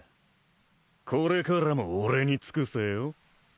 これからも俺に尽くせよ。